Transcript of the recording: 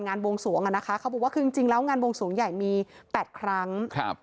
บวงสวงอ่ะนะคะเขาบอกว่าคือจริงจริงแล้วงานวงสวงใหญ่มีแปดครั้งครับ